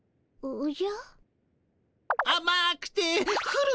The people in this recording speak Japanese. おじゃ。